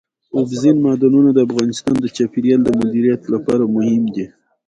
اوبزین معدنونه د افغانستان د چاپیریال د مدیریت لپاره مهم دي.